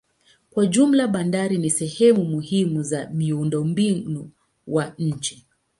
Kwa jumla bandari ni sehemu muhimu za miundombinu wa nchi.